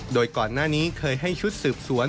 โดยก่อนหน้านี้เคยให้ชุดสืบสวน